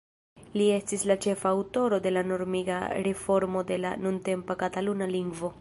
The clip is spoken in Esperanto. Li estis la ĉefa aŭtoro de la normiga reformo de la nuntempa Kataluna lingvo.